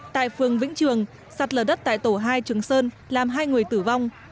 tại phường vĩnh trường sạt lở đất tại tổ hai trường sơn làm hai người tử vong